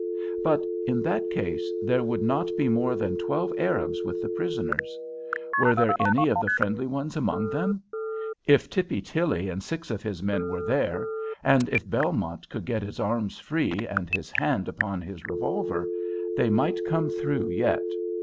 But in that case there would not be more than twelve Arabs with the prisoners. Were there any of the friendly ones among them? If Tippy Tilly and six of his men were there, and if Belmont could get his arms free and his hand upon his revolver, they might come through yet.